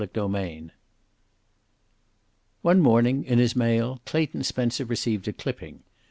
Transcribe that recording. CHAPTER XXXVIII One morning, in his mail, Clayton Spencer received a clipping.